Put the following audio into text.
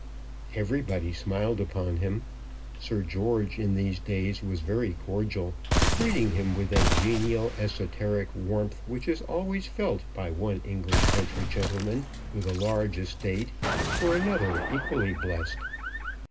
Everybody smiled upon him. Sir George in these days was very cordial, greeting him with that genial esoteric warmth which is always felt by one English country gentleman with a large estate for another equally blessed.